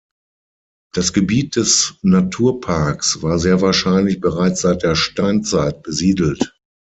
Das Gebiet des Naturparks war sehr wahrscheinlich bereits seit der Steinzeit besiedelt.